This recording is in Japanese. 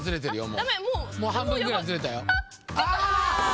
もうヤバいもう半分ぐらいずれたよ